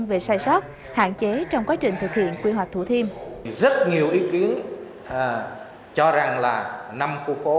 nhiều người dân về sai sót hạn chế trong quá trình thực hiện quy hoạch thủ thiêm